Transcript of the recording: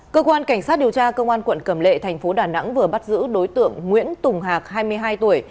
cơ quan cảnh sát điều tra công an quận cầm lệ thành phố đà nẵng vừa bắt giữ đối tượng nguyễn tùng hạc hai mươi hai tuổi